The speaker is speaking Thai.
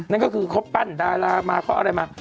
นั่นก็คือเขาปั้นดารามาเขาอะไรมา